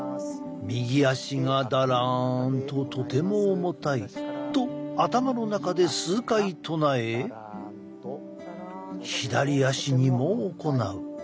「右足がだらんととても重たい」と頭の中で数回唱え左足にも行う。